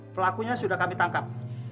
pelakunya sudah kami tangkap